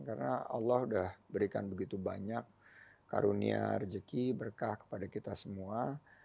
karena allah sudah berikan begitu banyak karunia rejeki berkah kepada kita semua